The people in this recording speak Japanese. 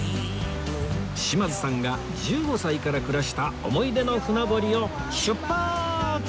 島津さんが１５歳から暮らした思い出の船堀を出発！